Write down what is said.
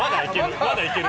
まだいける。